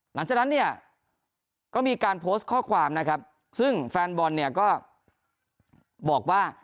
หลังจากนั้นเนี่ยก็มีการโพสต์ข้อความนะครับซึ่งแฟนบอลเนี่ยก็บอกว่า